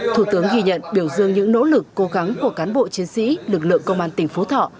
thủ tướng ghi nhận biểu dương những nỗ lực cố gắng của cán bộ chiến sĩ lực lượng công an tỉnh phú thọ